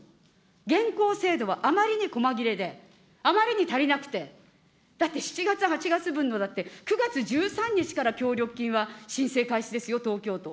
現行制度はあまりに細切れで、あまりに足りなくて、だって７月、８月分のだって、９がつ１３日から協力金は申請開始ですよ、東京都。